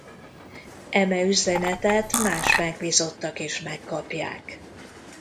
Eme üzenetet más megbízottak is megkapják.